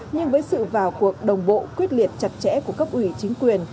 nhưng với sự vào cuộc đồng bộ quyết liệt chặt chẽ của cấp ủy chính quyền